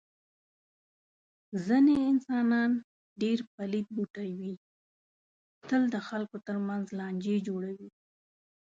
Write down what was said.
ځنې انسانان ډېر پلیت بوټی وي. تل د خلکو تر منځ لانجې جوړوي.